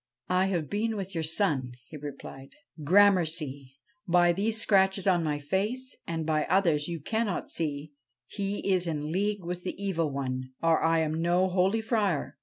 ' I have been with your son,' he replied. ' Grammercy I By these scratches on my face, and by others you cannot see, he is in league with the Evil One, or I am no holy Friar.